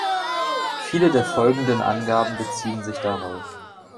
Viele der folgenden Angaben beziehen sich darauf.